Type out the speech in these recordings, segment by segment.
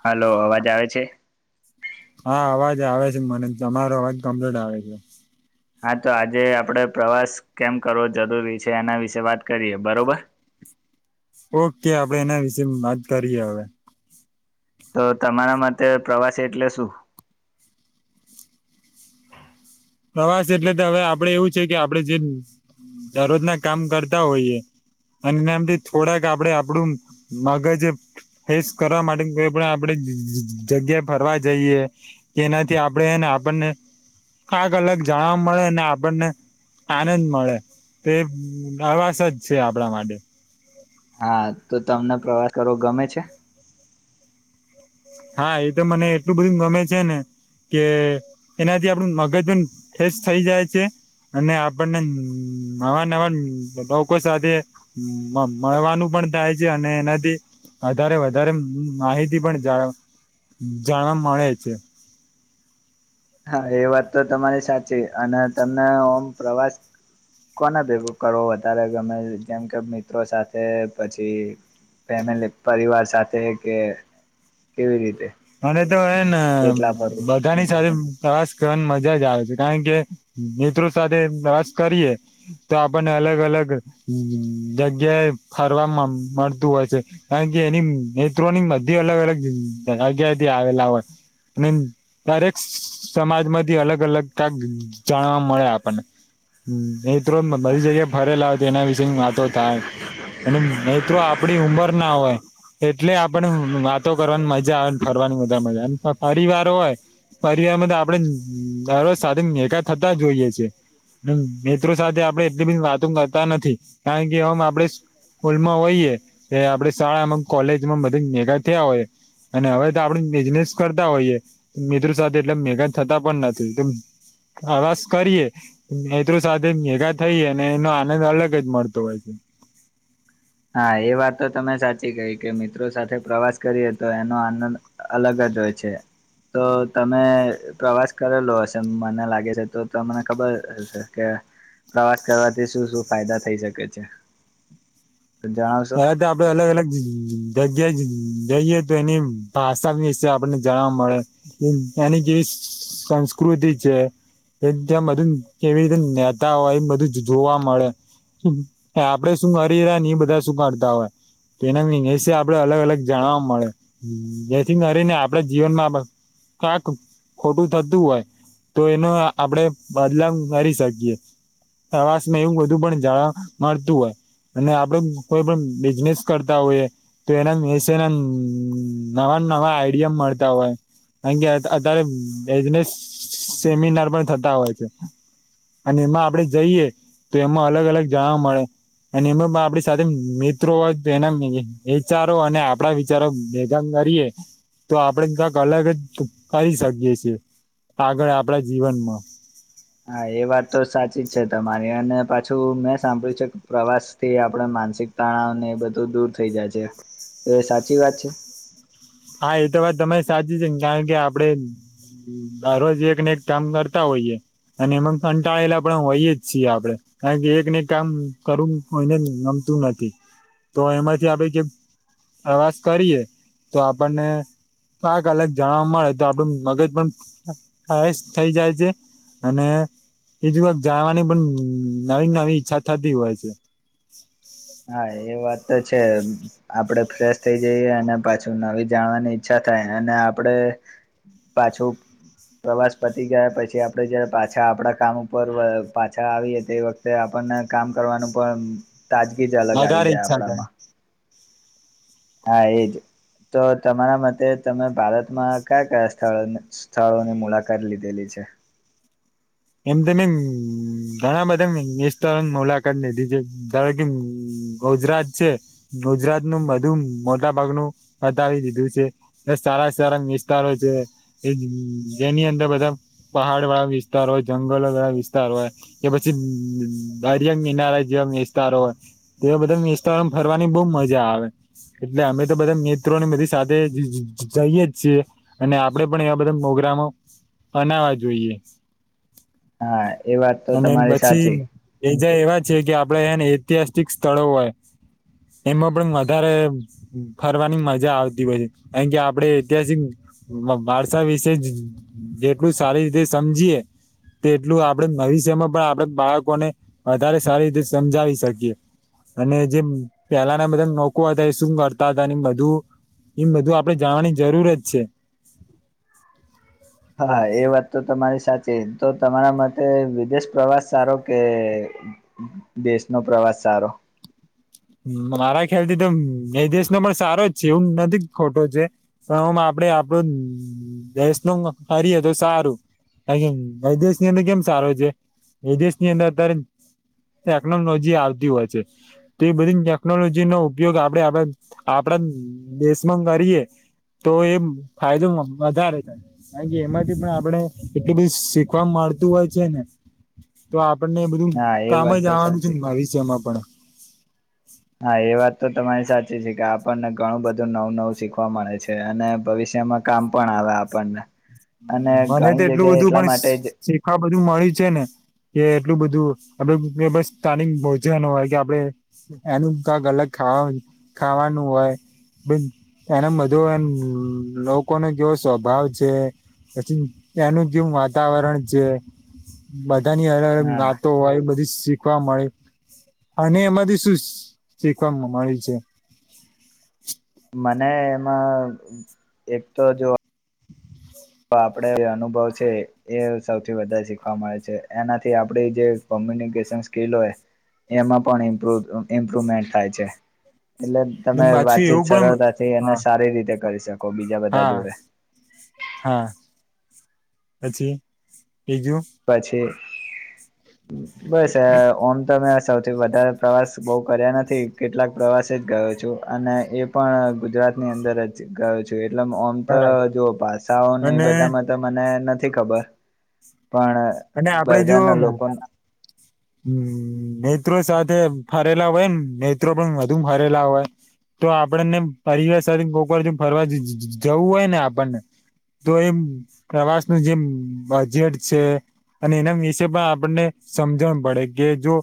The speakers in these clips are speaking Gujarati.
હાલો અવાજ આવે છે. હા અવાજ આવે છે મને તમારો અવાજ કમ્પ્લીટ આવે છે. હા તો આજે આપણે પ્રવાસ કેમ કરવો જરૂરી છે એના વિશે વાત કરીએ બરોબર. [unintelligible] ઓ કે આપણે એના વિશેે વાત કરીએ હવે. તો તમારા માટે પ્રવાસ એટલે શું. હ. પ્રવાસ એટલે હવેઆપણે એવું છે કે આપણે જે દરરોજ ના કામ કરતા હોઈએ. અને એમના માંથી થોડાક આપણે આપણુ મગજ ફેસ કરવા માટે કોઈ પણ આપણે જગ્યા ફરવા જઈએ કે તેનાથી આપણેને [inaudible] આ અલગ જાણવા મળે ને આપણને આનંદ મળે તે પ્રવાસ જ છે આપણા માટે. હા તો તમને પ્રવાસ કરવો ગમે છે. હા એ તો મને એટલું બધું ગમે છે ને કે એનાથી આપડું મગજ એમ ફ્રેશ થઈ જાય છે. અને આપણને નવા નવા લોકો સાથે મ-મળવાનું પણ થાય છે અને એનાથી વધારે વધારે માહિતી પણ જાણ જાણવા મળે છે. હા એ વાત તો તમારી સાચી અને તમને ઓમ પ્રવાસ કોને ભેગું કરવો વધારે ગમે જેમ કે મિત્રો સાથે પછી ફેમિલી પરિવાર સાથે કે કેવી રીતે. મને તો હેન એટલા ફરવું બધાની સાથે પ્રવાસ કરવાની મજા જ આવે છે કારણ કે મિત્રો સાથે પ્રવાસ કરીએ તો આપણને અલગ અલગ જ-જગ્યાએ ફરવા મ-મળતું હોય છે કારણ કે એની મીત્રો ની બધી અલગ અલગ જગ્યા થી આવેલા હોય. અને દરેક સમાજમાંથી અલગ અલગ કાક જાણવા મળે આપણને. મિત્રો બધી જગ્યા ફરેલા હો તો એના વિશેે વાતો થાય. અને મિત્રો આપડી ઉંમર ના હોય એટલે આપણને વાતો કરવાની મજા આવે ફરવાની વધાર મજા આવે અન પરીવાર હોય પરીવારમાં તો આપડે દરરોજ સાથે ભેગા થ કરતા જ હોઇએ છે. અને મિત્રો સાથે આપડે એટલી બધી વાતો કરતા નથી કારણ કે ઓમ આપડે સ્કૂલમાં હોઈએે એ આપડે શાળામાં કોલેજમાં બધા ભેંગા થયા હોય અને હવે આપણે બિઝનેસ કરતા હોઈએ મિત્રો સાથે એટલે ભેંગા થતા પણ નથી તો પ્રવાસ કરીએ મિત્રો સાથે ભેગા થઈએ અને એનો આનંદ અલગ જ મળતો હોય છે. [inaudible] હા એ વાત તો તમે સાચી કહિ કે મિત્રો સાથે પ્રવાસ કરીએ તો એનો આનંદ અલગ જ જ હોય છે. તો તમે પ્રવાસ કરેલો હશે મને લાગે છે તો તમને ખબર હશે કે પ્રવાસ કરવાથી શું શું ફાયદા થઈ શકે છે. તો જણાવશો પેલા તો આપડે અલગ અલગ જગ્ યા એ જઈએ તો એની ભાષા વિશે આપણને જાણવા મળે એની કેવી સ સ સંસ્કૃતિ છે. એ ત્યાં બધું કેવી રીતે રેતા હોય એ બધું જોવા મળે. આપડે શું કરી રા ને ઈ બધા શું કરતા હોય. તે ના વીશે આપડે અલગ અલગ જાણવા મળે જેથી કરીને આપડા જીવનમાં આ બધું કાંક ખોટું થતું હોય તો એનો આપડે બદલાવ કરી શકીએ. પ્રવાસમાં એવું બધું પણ જાણવા મળતું હોય અને આપડે કોઈ પણ બિઝનેસ કરતા હોયએ તો એના વિશેના નવા નવા આઈડિયા મડે ફરતા હોય. કારણ કે અત્યારે બિઝનેસ સેમિનાર પણ થતા હોય છે અને એમાં આપડે જઈએ તો એમાં અલગ અલગ જાણવા મળે અને ઈમાં આપડે અને મિત્રો હોય તો તેના વિચારો અને આપણા વિચારો ભેગા કરીએ. તો આપડે કાક અલગ જ કરી શકીએ છીએ. આગળ આપડા જીવનમાં. હા એ વાત તો સાચી જ છે તમારી અને પાછું મેં સાંભળ્યું છે કે પ્રવાસ થી આપણા માનસિક તણાવને બધું દૂર થઈ જાય છે. તો એ સાચી વાત છે. હા એ તો વાત તમારી સાચી છે ને કારણ કે આપડે દરરોજ એક ને એક કામ કરતા હોઈએ. અને એમાં કંટાળેલા પણ હોઈએ જ છીએ આપણેે કારણ કે એક ને એક કામ કરવું કોઈને તુ નથી તો એમા જે આપડે જે આવાસ કરીએ તો આપણને પાક અલગ જાણવા મળે તો આપડું મગજ પણ થઇ જાય છે. અને એીજ વાત જાણવાની પણ નવી નવી ઈચ્છા થતી હોય છે. હા એ વાત તો છે આપડે ફ્રેશ થઈ જઈએ અને પાછું નવી જાણવાની ઈચ્છા થાય અને આપડે પાછું પ્રવાસ પતી ગયા પછી આપડે જ પાછા આપડા કામ ઉપર પાછા આવીએ તે વખતે આપ પણ ને કામ કરવાનું પણ તાજગી જ અલગ આવી વધારે જાય ઈચ્છા થાય આપણામાં હા એજ તો તમારા મતે તમે ભારતમાં કયા કયા સ્થળ સ્થળોની મુલાકાત લીધેલી છે. છે. એમ ત મમ ઘણા બધા મિનીસ્ત મુલાકાત લીધી છે ધારો કે ગુજરાત છે. ગુજરાત નું બધું મોટા ભાગનું બતાવી દીધું છે એ સારા સારા વિસ્તારો છે. જે જેની અંદર બધા પહાડ વાળા વિસ્ત વિસ્તાર હોય જંગલો વિસ્તાર હોય કે પછી દરિયાંગ કિનારા જેવા વિસ્તારો હોય તેવા બધા વિસ્તારમાં ફરવાની બહ મજા આવે. એટલે અમે તો બધા મિત્રો ને બધી સાથે જઈએે જ છીએ અને આપડે પણ એવા બધા મોગ ડામો બનાવા જોઈએ હા એ વાત તો અને તમારી પછી સાચી એજા એવા જ છે કે આપડે એને ઐતિહાસિક સ્થળો હોય. એમાં પણ વધારે ફરવાની મજા આવતી હોય છે કારણ કે આપડે ઐતિહાસિક વારસા વિશે જેટલું સારી રીતે સમજીયે હમ તેટલું આપણેે ભવિષ્યમાં પણ આપણે બાળકોને વધારે સારી રીતે સમજાવી શકીએ. અને જે પેલાના બધા નકો હતા એ શું કરતા હતા બધું એમ બધું આપડે જાણવાની જરૂર જ છે. હા એ વાત તો તમારી સાચી તો તમારા માટેતે વિદેશ પ્રવાસ સારો કે દેશનો પ્રવાસ સારો મારા ખ્યાલ થી તો એ દેશ નો પણ સારો જ છે એવું નથી ખોટો છે પણ હું આપડણે આપડો દેશ ન ફરીએ તો સારું. હ એમ વાયદેશ ની અંદર કેમ સારો છે વિદેશ ની અંદર તર એકલ નજી આવતી હોય છે ત્રી બધી ટેકનોલોજી નો ઉપયોગ આપણેે આપ આપડા દેશમાં કરીએ તો એ ફાયદો વધારે થાય કારણ કે એમાંથી પણ આપણે એટલી બધી શીખવામાં મળતું હોય છે ને તો આપણને બધું હા એ કામ વાત જ તો આવવાનું છે સાચી ને ભવિષ્યમાં પણ હા એ વાત તો તમારી સાચી છે કે આપણને ઘણું બધું નવું નવું શીખવા મળે છે અને ભવિષ્યમાં કામ પણ આ હવે આપણને. અને મને ઘણી તો એટલું જગ્યાએ બધું એટલા પણ માટે જ શી શીખવા બધું મળી છે ને કે એટલું બધું આપડે સ્થાનિક ભોજનો હોય કે આપણે એનું કંક અલગ ખાવા ખાવાનું હોય. બ એના બધો એમ લોકોનો કેવો સ્વભાવ છે. પછી એનું જેવ વાતાવરણ છે. બધાની અલ અલ હા વાતો હોય બધી સ શીખવા મળે, અને એમાંથી શું શીખવા મળી છે? [inaudible] મને એમાં એક તો જો તો આપડે જે અનુભવ છે એ સૌથી વધારે શીખવા મળે છે, એનાથી આપડી જે કોમ્યૂનિકેશન સ્કિલ હોય એમાં પણ ઈમ્પ્રોવ ઇમપ્રુવમેન્ટ થાય છે. એટલે ને તમે પાછું એવું વાતચીત પણ સરળતાથી અને હા સારી રીતે કરી શક કો બીજા બધા હા જોડે હા પછી બીજું પછી બસ એ ઓમ તમે સૌથી વધારે પ્રવાસ બહુ કર્યા નથી, કેટલાક પ્રવાસે જ ગયો છું અને એ પણ ગુજરાત દાત ની અંદર જ ગયો છુએ પેલા મા ઓમ ત બરાબર જોઓ ભાસાઓને એ અને બધામાં તો મને નથી ખબર પણ બધાના લોકોન હમ નેત્રો સાથે ફરેલા હોય નેત્રો પણ વધુ ફરેલા હોય તો આપણને પરિવાર સાથે કોક વાર જો ફરવા જ જ જવું હોય ને આપણને તો એમ પ્રવાસ નું જેમ બજેટ છે અને એના વિશે પણ આપણને સમજણ પડે કે જો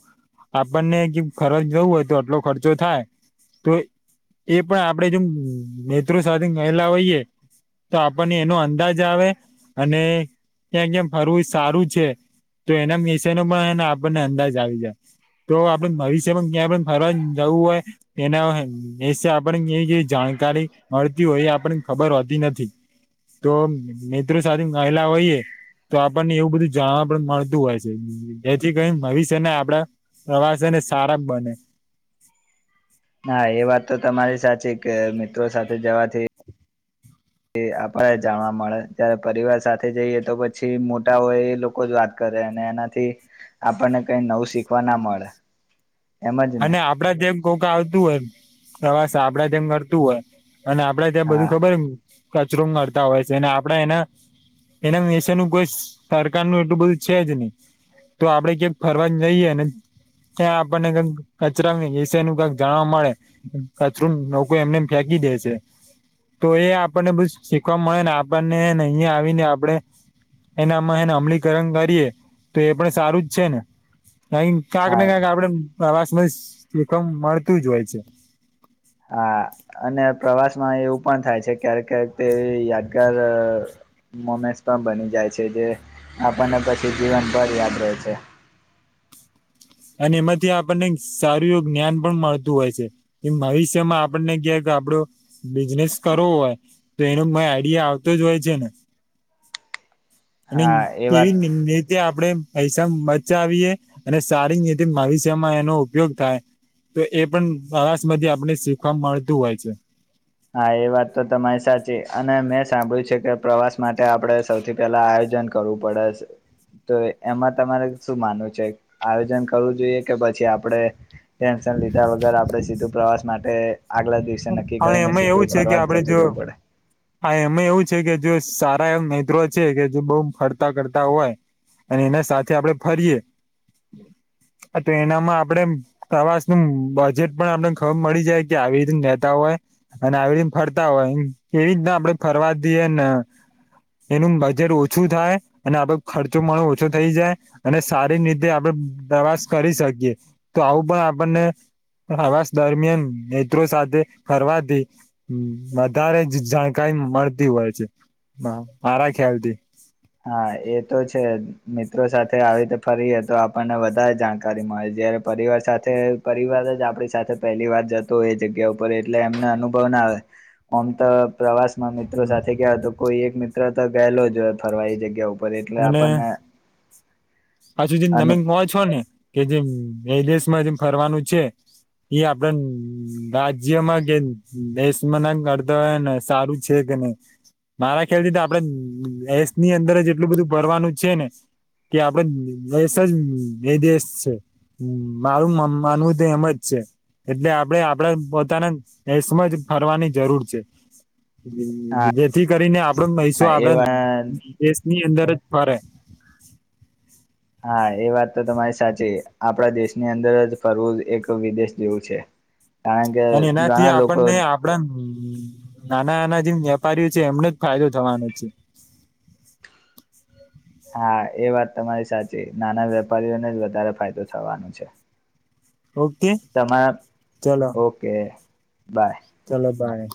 આપણને કે ફરજ જવું હોય તો આટલો ખર્ચો થાય તો એ પણ આપડે જોમ નેત્રો સાથે ગયેલા હોઈએ તો આપણને એનો અંદાજ આવે અને ક્યા ક્યામ ફરવું સારું છે તો એના મીશનો ને આપ તા જાવી જાસ તો આપડે ભવિષ્ય પણ ક્યાં પણ ફરવા જવું હોય એના એ દેશે આપડે કેવી કેવી જાણ કારી મળતી હોય એ આપણને ખબર હોતી નથી. તો મિત્રો સાથે નાઇલા હોઇએ તો આપણને એવું બધું જાણવા પણ મળતું હોય છે. ધેટ જેથી કરીન ભવિષ્ય માં આપડા પ્રવાસેને સારા બને ના એ વાત તો તમારી સાચી, કે મિત્રો સાથે જવાથી એ આપણે જાણવા મળે જય્યારે પરિવાર સાથે જઈએ તો પછી મોટા હોય એ લોકો જ વાત કરે અને એનાથી આપણને કઈ નવું શીખવા ના મળે. એમ જ ને અને આપડા જેમ કોક આવતું હોય એમ, પ્રવાસ આપડા જેમ કરતું હોય અને આપડે ત્યાં બધું હા ખબર કચરો મરતા હોય છે, અને આપડા એના એના વિશેનું કોઈ સરકાર નુ એટલું બધું છે જ નહી તો આપડે ક્યાંક ફરવાન જઈએ ને ત્યાં આપણને કક કચરા મે એશે એનું કક જાણવા મળે, કચરો લોકો એમને એમ ફેંકી દે છે. તો એ આપણને બધુ શીખવા મળે ને આપણને ને અહીં આવીને આપડે એને આમા હેને અમલીકરણ કરીએ તો એ પણ સારું જ છે ને. ક્યાંક કાક ને હા કાક આપણે પ્રવાસ માં એકમ મળતું જ હોય છે હા અને પ્રવાસ માં એવું પણ થાય છે ક્યારેક ક્યારેક તે યાદગાર મોમેન્ટ્સ પણ બની જાય છે જે આપણને પછી જીવન ભર યાદ રહે છે અને એમાંથી આપણને સારું એવું જ્ઞાન પણ મળતું હોય છે એ ભવિષ્યમાં આપણને ક્યા આપડો બિઝનેસ કરવો હોય તો એનો મ આઈડિયા આવતો જ હોય છે ને અને હા વાત કેવીન એ રીતે આપડે પૈસા બચાવીએ અને સારી રતે ભવિષ્યમાં એનો ઉપયોગ થાય તો એ પણ પ્રવાસ માંથી આપને શીખવા મળતું હોય છે હા એ વાત તો તમારી સાચી અને મેં સાંભળ્યું છે કે પ્રવાસ માટે આપડે સૌથી પહેલા આયો જન કરવું પડે શે તો એમાં તમારે શું માનવું છે, આયોજન કરવું જોઈએ કે પછી આપડે ટેન્શન લીધા વગર આપડણે સીધું પ્રવાસ માટે આગલા દિવસે નક્કી પણ કરીને એમાં તો એવું છે કે ફરવા જ આપણે જતું જો રહેવું પડે હા એમાં એવું છે કે જો સારા એ મિત્રો છે કે જે બઉ ફરતા કરતા હોય અને એના સાથે આપડે ફરીએ [unintelligible] તો એનામાં આપડે પ્રવાસ નું બજેટ પણ આપણે ખબર મળી જાય કે આવી રીતે નેતાઓ હોય અને આવી રીતે ફરતા હોય કેવી રીતના આપડે ફરવા દઈએે ને એનું બજેટ ઓછું થાય અને આપ ખર્ચો પણ ઓછો થઈ જાય અને સારી રીતે આપડે પ્રવાસ કરી શકીએ તો આવું પણ આપણને આવાસ દરમિયાન મિત્રો સાથે ફરવાથી વધારે જ જાણકારી મળતી હોય છે મારા ખ્યાલથી હા એ તો છે મિત્રો સાથે આવી તો ફરીએ તો આપણને વધારે જાણકારી મળે જયારે પરિવાર સાથે પરિવા આપડી સાથે પહેલી વાત જતો હોય એ જગ્યા ઉપર એટલે એમને અનુભવ ના આવે. આમ તો પ્રવાસમાં મિત્રો સાથે ગયા તો કોઈ એક મિત્ર તો ગયેલો જ ફરવા એ જગ્યા ઉ પર એટલે અને આપણને પાછું જે અનુ તમે કો છો ને કે જેમ એ દેશમાં જેમ ફરવાનું છે ઈ આપડે રાજ્યમાં કે દેશમાં ના કરતા સારું છે કે નઈ મારા ખ્યાલથી તો આપડે દેશની અંદર જ એટલું બધું ફરવાનું છે ને કે આપ દેશ જ એ દેશ છે મારું માનવું તો એમજ છે એટલે આપડે આપડા પોતાના દેશમાં જ ફરવાની જરૂર છે જેથી કરીને આપ નહી સું હા આવે એ વાત દેશની અંદર જ ફરે હા એ વાત તો તમારી સાચી આપડા દેશની અંદર જ ફરવું એક વિદેશ જેવું છે કારણ કે અને એનાથી ઘણા આપણને લોકો આપડા નાના નાના જેમ વેપારીઓ છે એમને જ ફાયદો થવાનો છે હા એ વાત તમારી સાચી નાના વેપારીઓને જ વધારે ફાયદો થવાનો છે ઓકે તમા ચલો ઓકે બાય ચલો બાય